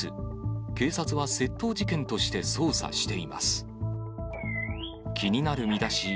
警察は窃盗事件として捜査しています。